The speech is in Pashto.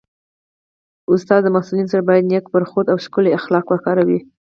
ښوونکی د محصلینو سره باید نېک برخورد او ښکلي اخلاق وکاروي